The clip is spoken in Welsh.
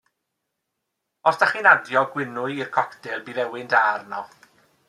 Os 'da chi'n adio gwynnwy i'r coctêl bydd ewyn da arno.